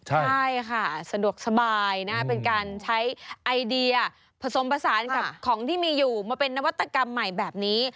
ใช่ค่ะสะดวกสบายนะเป็นการใช้ไอเดียผสมผสานกับของที่มีอยู่มาเป็นนวัตกรรมใหม่แบบนี้